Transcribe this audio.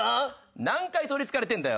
何回取りつかれてんだよ